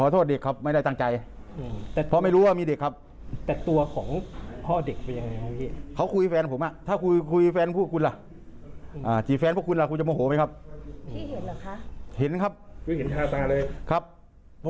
ถ้ายิงว่าไปจีบแฟนคุณกูจะมโยโขฟะไหม